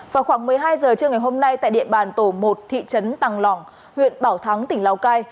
vào khoảng một mươi hai h trưa ngày hôm nay tại địa bàn tổ một thị trấn tàng lỏng huyện bảo thắng tỉnh lào cai